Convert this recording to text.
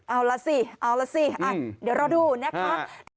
เอาล่ะสิเดี๋ยวเราดูนะครับ